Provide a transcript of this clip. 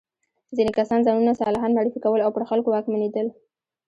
ځینې کسان ځانونه صالحان معرفي کول او پر خلکو واکمنېدل.